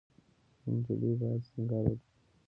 انجلۍ باید سینګار وکړي.